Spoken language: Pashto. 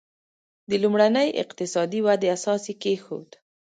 د لومړنۍ اقتصادي ودې اساس یې کېښود.